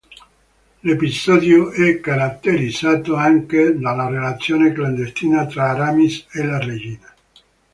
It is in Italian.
L'episodio è caratterizzato anche dalla relazione clandestina tra Aramis e la Regina.